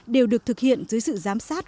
đều được thực hiện dưới sự giám sát